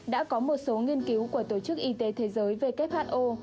đã có một số nghiên cứu của tổ chức y tế thế giới who